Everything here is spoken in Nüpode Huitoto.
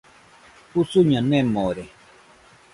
Usuño nemore.